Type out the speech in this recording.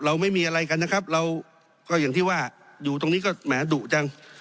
ไม่มีอะไรกันนะครับเราก็อย่างที่ว่าอยู่ตรงนี้ก็แหมดุจัง